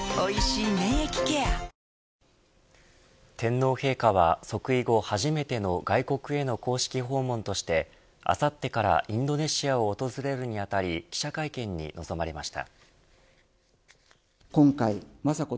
天皇陛下は即位後、初めての外国への公式訪問としてあさってからインドネシアを訪れるにあたり記者会見に臨まれました。